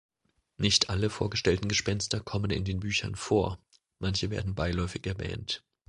Nicht alle vorgestellten Gespenster kommen in den Büchern vor, manche werden beiläufig erwähnt.